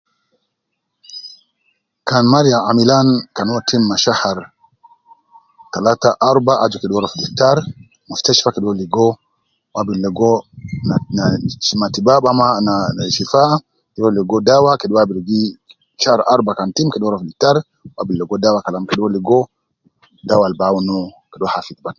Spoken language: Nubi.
Kan Mariya amilan kan uwo tim ma shahar talata arba aju kede uwo ruwa fi dictar mushtashfa kede uwo ligo kede uwo ligo matibabu au ma shifaa ke uwo ligo dawa kede uwo abidu kede uwo ligo dawa shar kan kun arba kede uwo ruwa fi mustashfa kede uwo ligo dawa al kede aunu uwo.